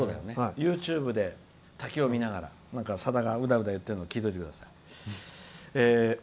ＹｏｕＴｕｂｅで滝を見ながらさだがうだうだ言ってるの聞いていてください。